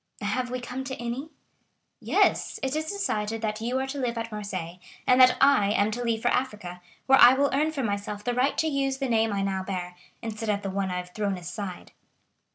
"Have we come to any?" "Yes; it is decided that you are to live at Marseilles, and that I am to leave for Africa, where I will earn for myself the right to use the name I now bear, instead of the one I have thrown aside."